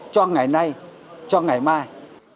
cho ngày nay cho ngày mai